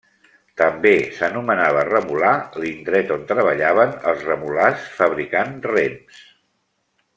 També s'anomenava remolar l'indret on treballaven els remolars fabricant rems.